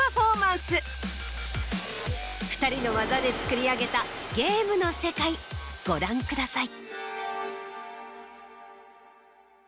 ２人の技でつくり上げたゲームの世界ご覧ください。